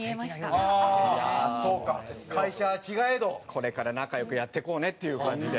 これから仲良くやっていこうねっていう感じで。